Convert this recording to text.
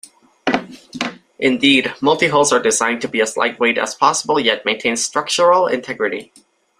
Indeed, multihulls are designed to be as light-weight as possible, yet maintain structural integrity.